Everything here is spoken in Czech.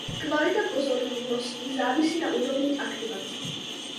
Kvalita pozornosti závisí na úrovni aktivace.